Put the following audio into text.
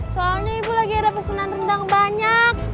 soalnya ibu lagi ada pesanan rendang banyak